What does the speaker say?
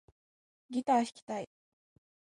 ギター弾きたい